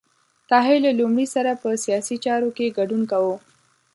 طاهر له لومړي سره په سیاسي چارو کې ګډون کاوه.